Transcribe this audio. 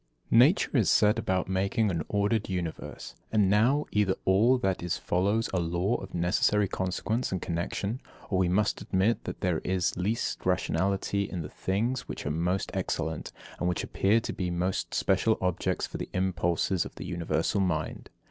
75. Nature set about making an ordered universe; and now, either all that is follows a law of necessary consequence and connexion, or we must admit that there is least rationality in the things which are most excellent, and which appear to be most special objects for the impulses of the universal mind.